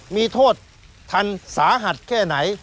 มีโทษทันสาหัสแค่ไหน